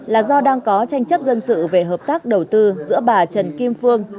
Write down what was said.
là do đang có tranh chấp dân sự về hợp tác đầu tư giữa bà trần kim phương